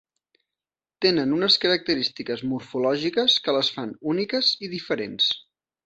Tenen unes característiques morfològiques que les fan úniques i diferents.